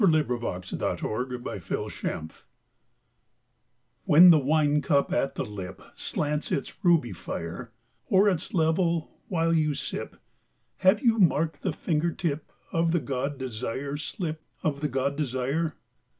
"WHEN THE WINE CUP AT THE LIP" When the wine cup at the lip Slants its ruby fire, O'er its level, while you sip, Have you marked the finger tip Of the god Desire slip, Of the god Desire?